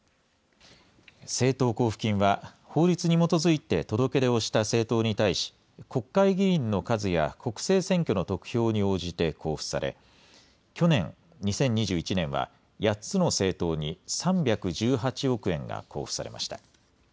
政党交付金は、法律に基づいて届け出をした政党に対し、国会議員の数や国政選挙の得票に応じて交付され、去年・２０２１年は、８つの政党に３１８億円が交付されました。